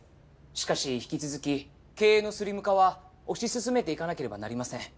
しかし引き続き経営のスリム化は推し進めていかなければなりません。